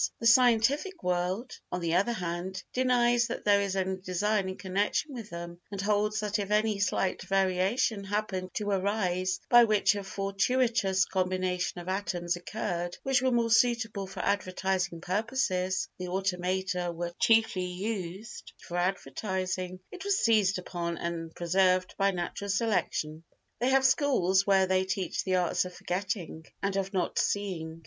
The scientific world, on the other hand, denies that there is any design in connection with them, and holds that if any slight variation happened to arise by which a fortuitous combination of atoms occurred which was more suitable for advertising purposes (the automata were chiefly used for advertising) it was seized upon and preserved by natural selection. They have schools where they teach the arts of forgetting and of not seeing.